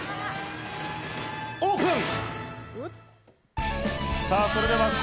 オープン！